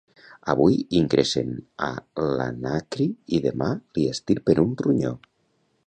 Avui ingressen a l'Anacri i demà li extirpen un ronyó